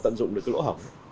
tận dụng được lỗ hỏng